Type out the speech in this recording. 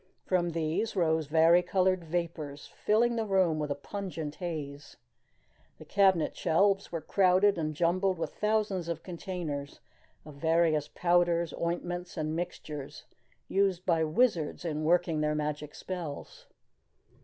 From these rose vari colored vapors, filling the room with a pungent haze. The cabinet shelves were crowded and jumbled with thousands of containers of various powders, ointments, and mixtures used by wizards in working their magic spells.